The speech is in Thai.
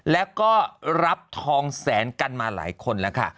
แล้วก็รับทองแสนกันมาหลายคนแล้วค่ะ